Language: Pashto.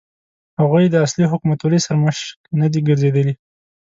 هغوی د اصلي حکومتولۍ سرمشق نه دي ګرځېدلي.